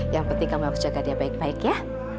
yang penting kamu harus jaga dia baik baik ya